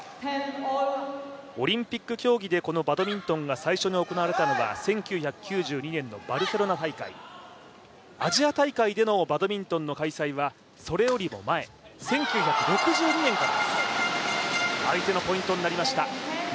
オリンピック競技でバドミントンが最初に行われたのは、１９９２年のバルセロナ大会、アジア大会でのバドミントンの開催はそれよりも前、１９６２年から。